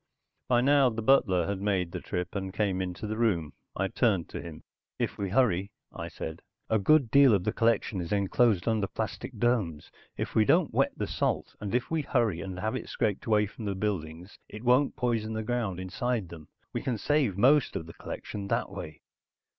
By now the butler had made the trip, and came into the room. I turned to him. "If we hurry," I said. "A good deal of the collection is enclosed under plastic domes. If we don't wet the salt, and if we hurry and have it scraped away from the buildings it won't poison the ground inside them. We can save most of the collection that way."